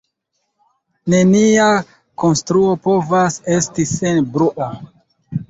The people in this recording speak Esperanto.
Nenia konstruo povas esti sen bruo.